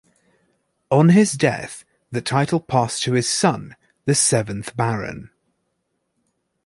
On his death the title passed to his son, the seventh Baron.